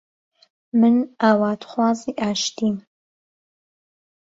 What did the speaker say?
من ئاواتخوازی ئاشتیم